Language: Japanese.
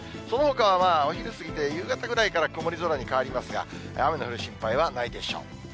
そのほかはお昼過ぎて、夕方ぐらいから曇り空に変わりますが、雨の降る心配はないでしょう。